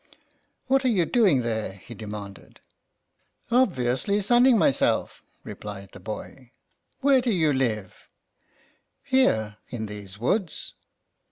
" What are you doing there ?'' he de manded. "Obviously, sunning myself,'' replied the boy. " Where do you live ?"" Here, in these woods."